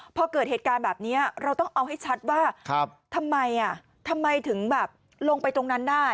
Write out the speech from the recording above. พอเกิดเหตุการณ์แบบนี้เราต้องเอาให้ชัดว่าทำไมทำไมถึงแบบลงไปตรงนั้นได้